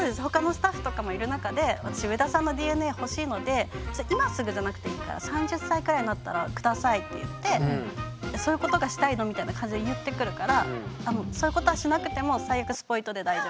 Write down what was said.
「私上田さんのＤＮＡ欲しいので今すぐじゃなくていいから３０歳くらいになったらください」って言って「そういうことがしたいの？」みたいな感じで言ってくるから「そういうことはしなくても最悪」